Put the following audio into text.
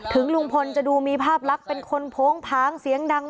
ลุงพลจะดูมีภาพลักษณ์เป็นคนโพงผางเสียงดัง